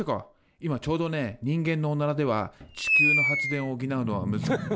今ちょうどね人間のオナラでは地球の発電を補うのはむずか。